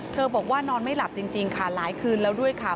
บอกว่านอนไม่หลับจริงค่ะหลายคืนแล้วด้วยค่ะ